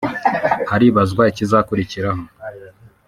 haribazwa ikizakurikiraho